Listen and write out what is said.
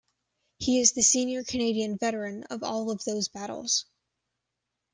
He is the Senior Canadian Veteran of all of those Battles.